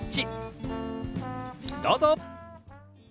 どうぞ！